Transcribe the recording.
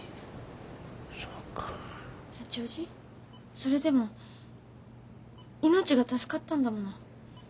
それでも命が助かったんだもの。